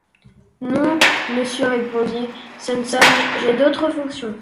Non, monsieur, répondit Sanson, j’ai d’autres fonctions.